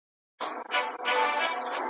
له بدیو به تر مرګه خلاصېدلای `